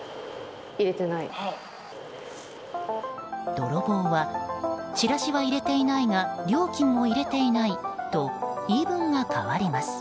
泥棒はチラシは入れていないが料金も入れていないと言い分が変わります。